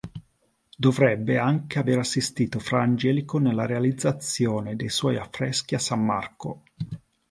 Dovrebbe anche aver assistito Fra Angelico nella realizzazione dei suoi affreschi a San Marco.